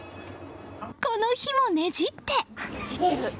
この日もねじって。